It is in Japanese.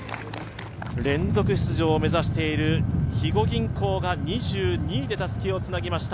連続出場を目指している肥後銀行が２２位でたすきをつなぎました。